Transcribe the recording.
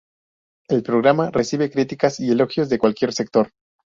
El programa recibe críticas y elogios de cualquier sector.